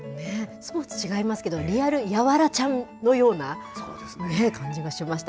スポーツ違いますけど、リアルやわらちゃんのような感じがしました。